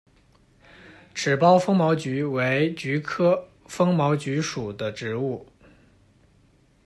齿苞风毛菊为菊科风毛菊属的植物。